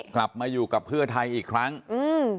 กลับมาอยู่กับเพื่อไทยอีกครั้งอืม